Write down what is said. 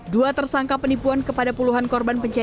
dua tersangka penipuan kepada puluhan korban